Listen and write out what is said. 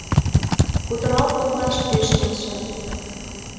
Кутырал колташ пеш келша